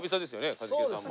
一茂さんも。